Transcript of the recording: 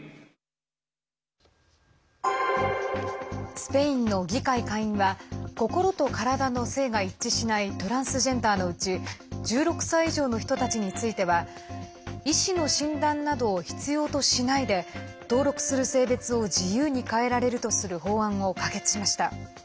スペインの議会下院は心と体の性が一致しないトランスジェンダーのうち１６歳以上の人たちについては医師の診断などを必要としないで登録する性別を自由に変えられるとする法案を可決しました。